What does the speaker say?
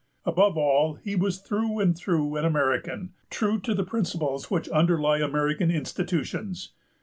Above all, he was through and through an American, true to the principles which underlie American institutions.